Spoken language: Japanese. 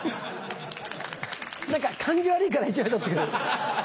何か感じ悪いから１枚取ってくれる？